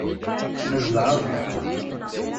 Nezɛeḍ.